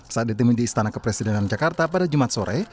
saat ditemui di istana kepresidenan jakarta pada jumat sore